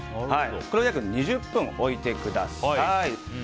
これで約２０分置いてください。